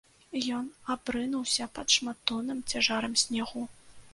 Ён абрынуўся пад шматтонным цяжарам снегу.